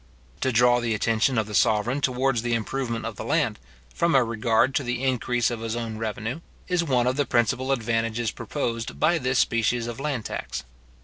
To draw the attention of the sovereign towards the improvement of the land, from a regard to the increase of his own revenue, is one or the principal advantages proposed by this species of land tax.